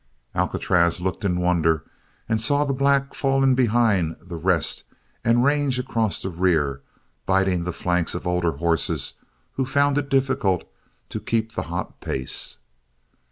Alcatraz looked in wonder and saw the black fall in behind the rest and range across the rear biting the flanks of older horses who found it difficult to keep the hot pace.